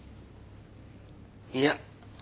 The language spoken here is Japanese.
いや。